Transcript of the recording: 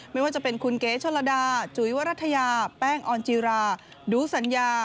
ไม่ว่าจะเป็นคุณเก๋ชนระดาจุ๋ยวรัฐยาแป้งออนจีราดูสัญญา